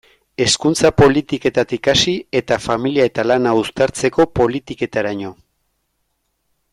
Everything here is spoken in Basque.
Hezkuntza politiketatik hasi eta familia eta lana uztartzeko politiketaraino.